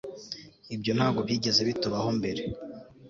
ibyo ntabwo byigeze bitubaho mbere